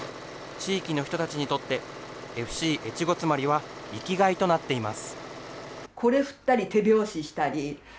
地域の人たちにとって、ＦＣ越後妻有は生きがいとなっています。